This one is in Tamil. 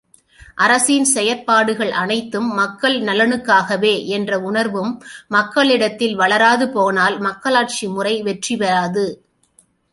அரசின் செயற்பாடுகள் அனைத்தும் மக்கள் நலனுக்காகவே என்ற உணர்வும் மக்களிடத்தில் வளராது போனால் மக்களாட்சி முறை வெற்றி பெறாது.